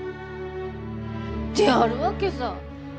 であるわけさぁ。